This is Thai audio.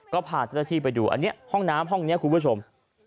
ก็พาทัศน์ที่ไปดูอันเนี้ยห้องน้ำห้องเนี้ยคุณผู้ชม